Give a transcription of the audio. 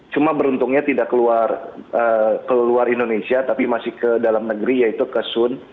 cuma beruntungnya tidak keluar indonesia tapi masih ke dalam negeri yaitu ke sun